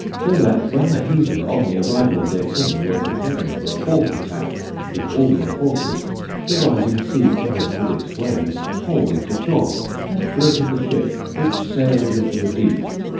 So that when the heathen, on the arrival of their king, were preparing for a fourth attack with all their forces, the rising sea covered with its waves the whole of the shore, and floated the ship, which sailed into the deep.